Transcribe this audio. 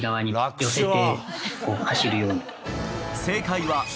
正解は。